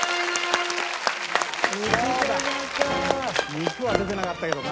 肉は出てなかったけどな。